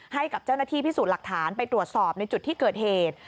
ให้กับเจ้าหน้าที่พิสูจน์หลักฐานไปตรวจสอบในจุดที่เกิดเหตุ